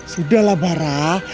sudah lah barah